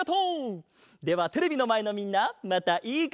ではテレビのまえのみんなまたいいかげであおう！